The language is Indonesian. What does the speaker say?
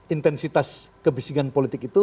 intensitas kebisingan politik itu